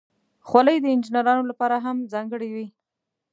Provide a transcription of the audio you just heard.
خولۍ د انجینرانو لپاره هم ځانګړې وي.